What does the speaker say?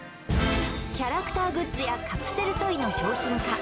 キャラクターグッズやカプセルトイの商品化